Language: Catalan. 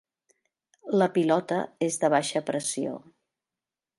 La pilota és de baixa pressió.